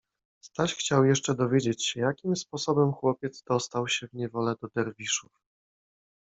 Staś chciał jeszcze dowiedzieć się, jakim sposobem chłopiec dostał się w niewolę do derwiszów.